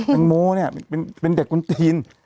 ตังโมเนี่ยเป็นเด็กกุนตีน